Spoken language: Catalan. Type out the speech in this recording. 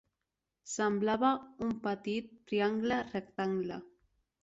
Semblava un petit triangle rectangle